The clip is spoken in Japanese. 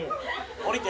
降りて。